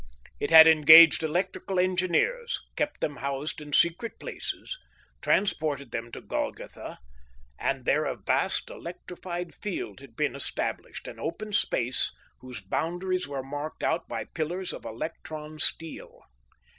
It had engaged electrical engineers, kept them housed in secret places, transported them to Golgotha; and there a vast electrified field had been established, an open space whose boundaries were marked out by pillars of electron steel.